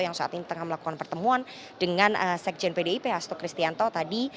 yang saat ini tengah melakukan pertemuan dengan sekjen pdip hasto kristianto tadi